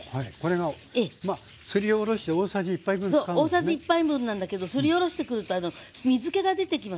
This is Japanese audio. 大さじ１杯分なんだけどすりおろしてくると水けが出てきますよね。